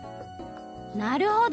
なるほど！